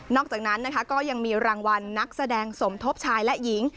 อกจากนั้นนะคะก็ยังมีรางวัลนักแสดงสมทบชายและหญิง